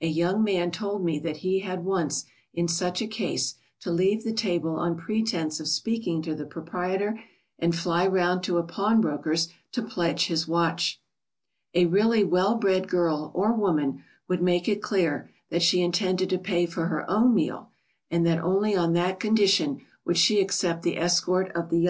A young man told me that he had once, in such a case, to leave the table on pretence of speaking to the proprietor and fly round to a pawnbroker's to pledge his watch. [Sidenote: A well bred girl would bear her own expenses.] A really well bred girl or woman would make it clear that she intended to pay for her own meal, and that only on that condition would she accept the escort of the young man.